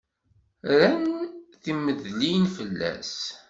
Rran timedlin fell-as.